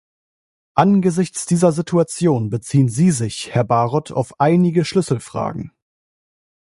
Angesichts dieser Situation beziehen Sie sich, Herr Barrot, auf einige Schlüsselfragen.